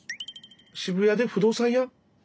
渋谷で不動産屋？